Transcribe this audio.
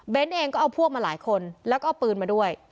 เองก็เอาพวกมาหลายคนแล้วก็เอาปืนมาด้วย